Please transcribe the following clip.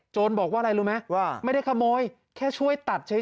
บอกว่าอะไรรู้ไหมว่าไม่ได้ขโมยแค่ช่วยตัดเฉย